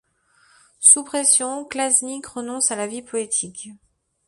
Sous pression, Klasnic renonce à la vie politique.